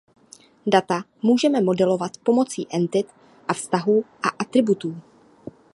Data můžeme modelovat pomocí entit a vztahů a atributů.